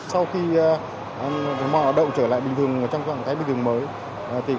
sau khi mọi hoạt động trở lại bình thường trong bình thường mới